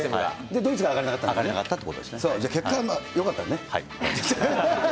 ドイツが上がらなかったといじゃあ結果はよかったのね。